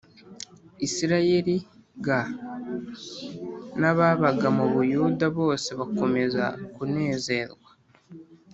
Isirayeli g n ababaga mu Buyuda bose bakomeza kunezerwa